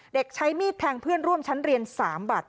เด็กใช้มีดแทงเพื่อนร่วมชั้นเรียน๓บาท